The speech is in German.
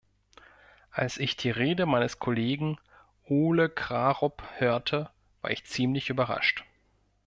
Als ich die Rede meines Kollegen Ole Krarup hörte, war ich ziemlich überrascht.